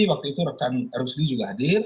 waktu itu rekan rusli juga hadir